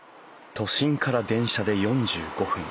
都心から電車で４５分。